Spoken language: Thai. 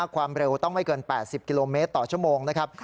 ความเร็วต้องไม่เกิน๘๐กิโลเมตรต่อชั่วโมงนะครับ